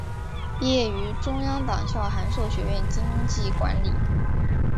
毕业于中央党校函授学院经济管理。